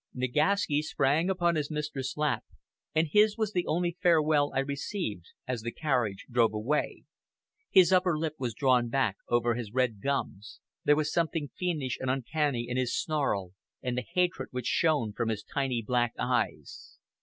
Nagaski sprang upon his mistress' lap, and his was the only farewell I received as the carriage drove away. His upper lip was drawn back over his red gums; there was something fiendish and uncanny in his snarl, and the hatred which shone from his tiny black eyes.